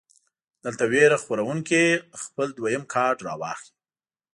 دلته وېره خوروونکے خپل دويم کارډ راواخلي -